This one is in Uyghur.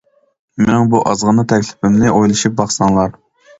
مېنىڭ بۇ ئازغىنا تەكلىپىمنى ئويلىشىپ باقساڭلار.